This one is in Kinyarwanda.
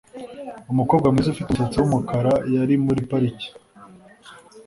Umukobwa mwiza ufite umusatsi wumukara yari muri parike